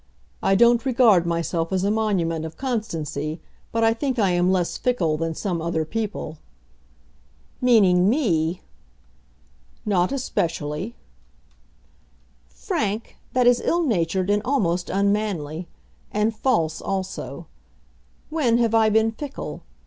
I don't regard myself as a monument of constancy, but I think I am less fickle than some other people." "Meaning me!" "Not especially." "Frank, that is ill natured, and almost unmanly, and false also. When have I been fickle?